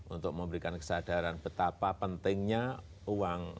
untuk memberikan kesadaran betapa pentingnya uang